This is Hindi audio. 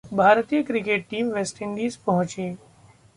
भारतीय क्रिकेट टीम वेस्टइंडीज पहुंची